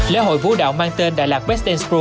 lễ hội vũ đạo mang tên đà lạt best dance pro